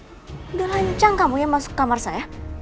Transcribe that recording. udah lancang kamu yang masuk ke kamar saya